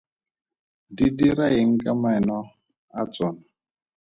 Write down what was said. Di dira eng ka meno a tsona?